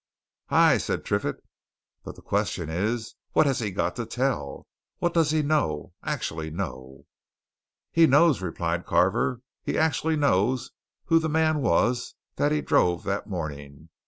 "Aye!" said Triffitt. "But the question is, what has he got to tell? What does he know? actually know?" "He knows," replied Carver, "he actually knows who the man was that he drove that morning!